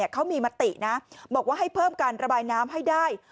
เขามีมตินะบอกว่าให้เพิ่มการระบายน้ำให้ได้